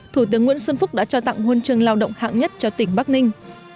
thủ tướng nguyễn xuân phúc đã cho tặng nguồn trường lao động hạng nhất cho tỉnh bắc ninh